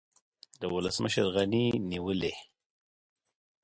د ولسمشر غني نیولې